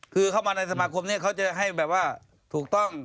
คือเข้ามาในสมาคมนี้เขาจะให้แบบว่าถูกต้อง